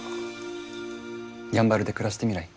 やんばるで暮らしてみない？